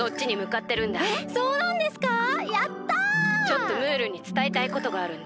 ちょっとムールにつたえたいことがあるんだ。